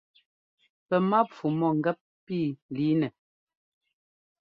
Pɛ́ mápfu mɔ̂gɛ́p pí lǐinɛ.